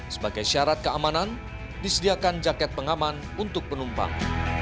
sebagai syarat keamanan disediakan jaket pengaman untuk penumpang